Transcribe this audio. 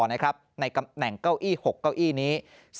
ในตำแหน่งเก้าอี้๖เก้าอี้นี้